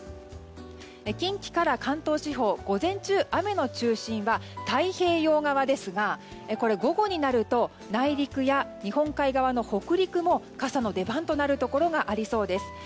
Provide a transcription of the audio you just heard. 近畿から関東地方午前中、雨の中心は太平洋側ですが午後になると内陸や日本海側の北陸も傘の出番となるところがありそうです。